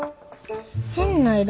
変な色。